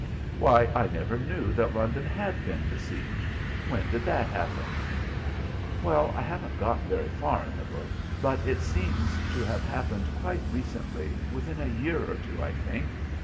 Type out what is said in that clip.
_" "Why, I never knew that London had been besieged. When did that happen?" "Well, I haven't got very far in the book yet, but it seems to have happened quite recently, within a year or two, I think.